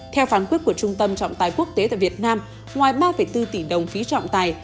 theo phán quyết của trung tâm trọng tài quốc tế tại việt nam ngoài ba bốn tỷ đồng phí trọng tài